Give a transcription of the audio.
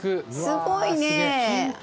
すごいね。